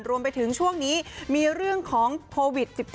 รวมไปถึงช่วงนี้มีเรื่องของโควิด๑๙